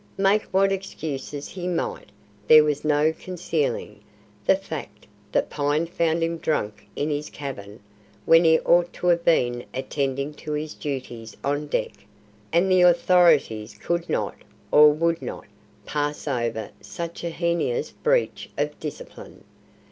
Make what excuses he might, there was no concealing the fact that Pine found him drunk in his cabin when he ought to have been attending to his duties on deck, and the "authorities" could not, or would not, pass over such a heinous breach of discipline.